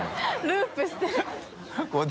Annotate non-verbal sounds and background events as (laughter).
ループしてる (laughs)